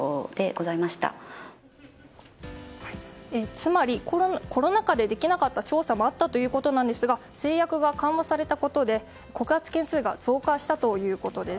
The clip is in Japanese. つまり、コロナ禍でできなかった調査もあったということですが制約が緩和されたことで告発件数が増加したということです。